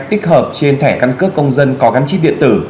tích hợp trên thẻ căn cước công dân có gắn chip điện tử